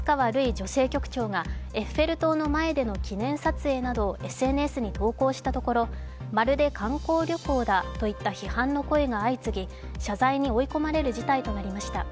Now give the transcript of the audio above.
女性局長がエッフェル塔の前での記念撮影などをＳＮＳに投稿したところ、まるで観光旅行だといった批判の声が相次ぎ、謝罪に追い込まれる事態となりました。